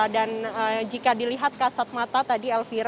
dan jika dilihat kasat mata tadi elvira